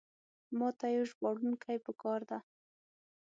ماته یو ژباړونکی پکار ده.